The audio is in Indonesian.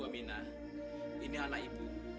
bu aminah ini anak ibu